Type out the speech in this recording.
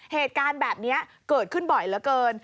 เหตุการณ์แบบนี้เกิดขึ้นบ่อยเหลือเกิน